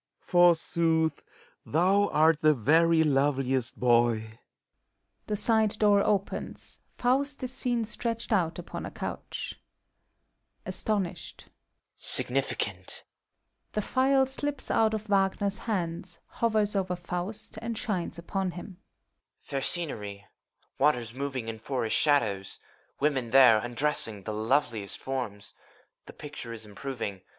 WAGNER (still gazing at the phial). Forsooth, thou art the very loveliest boy! [The aide door opens: Faust is seen stretched out upon a couch.) HOMUKCULUS (ostonished) . Signifieant! —( The phial slips out of Wagne^i^s hands, hovers over Yav8t, and shines upon him.) Fair scenery! — Waters, moving In forest shadows : women there, undressing, The loveliest forms! — ^the picture is improving.